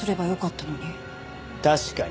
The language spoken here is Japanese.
確かに。